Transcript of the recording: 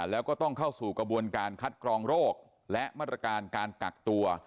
แล้วก็ต้องเข้าสู่กระบวนการคัดกรองโรคและมาตรการการกักตัว